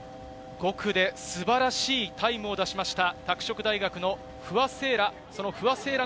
５区で素晴らしいタイムを出しました拓殖大学の不破聖衣来。